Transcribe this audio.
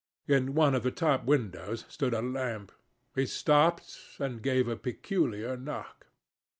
In one of the top windows stood a lamp. He stopped and gave a peculiar knock.